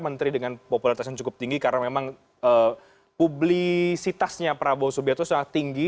menteri dengan popularitas yang cukup tinggi karena memang publisitasnya prabowo subianto sangat tinggi